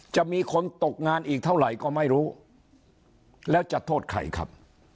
จะมีคนตกงานอีกเท่าไหร่ก็ไม่รู้แล้วจะโทษใครครับ